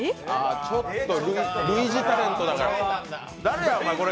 ちょっと類似タレントだから。